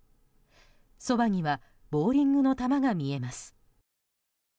そばにはボウリングの玉が見えます。